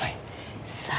さあ。